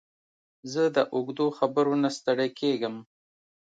زه د اوږدو خبرو نه ستړی کېږم.